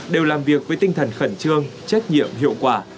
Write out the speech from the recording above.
đều làm việc với tinh thần khẩn trương trách nhiệm hiệu quả